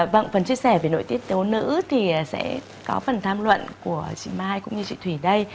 vâng phần chia sẻ về nội tiết tấu nữ thì sẽ có phần tham luận của chị mai cũng như chị thủy đây